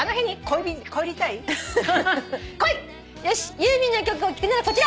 「ユーミンの曲を聴くなら」